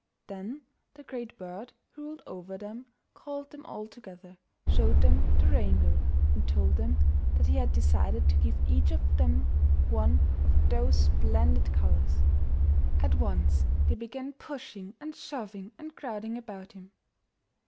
Then the Great Bird, who ruled over them, called them all together, showed them the rainbow, and told them that he had decided to give each of them one of those splendid colors. At once they began pushing and shoving and crowd ing about him.